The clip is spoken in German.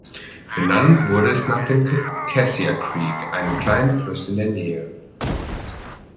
Benannt wurde es nach dem Cassia Creek, einem kleinen Fluss in der Nähe.